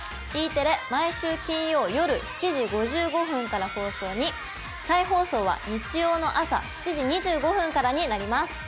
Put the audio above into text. Ｅテレ毎週金曜夜７時５５分から放送に再放送は日曜の朝７時２５分からになります。